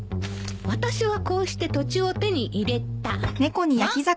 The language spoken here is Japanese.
「私はこうして土地を手に入れた」・ん！？